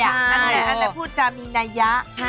ใช่นั่นแหละแต่พูดจะมีนายะ